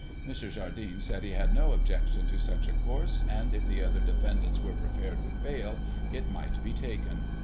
Mr. Jardine said he had no objection to such a course, and, if the other defendants were prepared with bail, it might be taken.